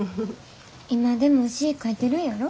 今でも詩ぃ書いてるんやろ？